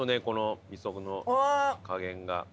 この磯の加減が。